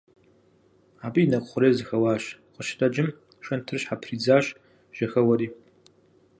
Абы и нэкӀу хъурейр зэхэуащ, къыщытэджым шэнтыр щхьэпридзащ, жьэхэуэри.